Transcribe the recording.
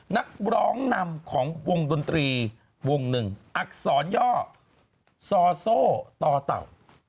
นักร้องนำของวงดนตรีวงหนึ่งอักษรย่อซอโซ่ต่อเต่า